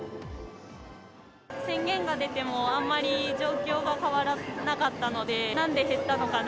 宣言が出ても、あんまり状況が変わらなかったので、なんで減ったのかな。